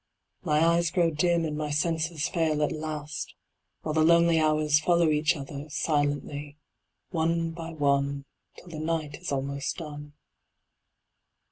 My eyes grow dim and my senses fail at last, While the lonely hours Follow each other, silently, one by one, Till the night is almost done.